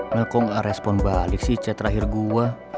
nah kok gak respon balik sih chat terakhir gue